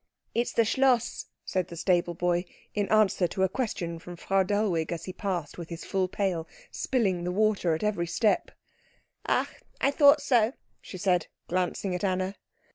"It is the Schloss," said the stable boy in answer to a question from Frau Dellwig as he passed with his full pail, spilling the water at every step. "Ach, I thought so," she said, glancing at Anna.